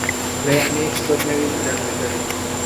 له یخنیه چي څوک نه وي لړزېدلي .